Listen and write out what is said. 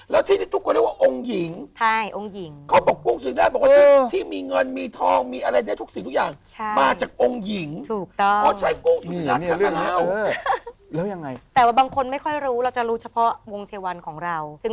แล้วที่ที่ทุกคนเรียกว่าองค์หญิงได้องค์หญิง